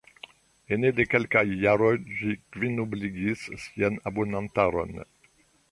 Ene de kelkaj jaroj ĝi kvinobligis sian abonantaron.